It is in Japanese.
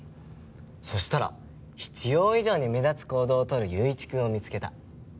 そしたら必要以上に目立つ行動をとる友一くんを見つけた。